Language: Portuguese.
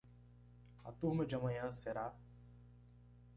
A turma de amanhã será